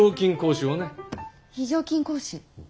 非常勤講師をね。